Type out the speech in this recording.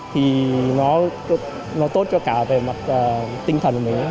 thì nó tốt cho cả về mặt tinh thần của mình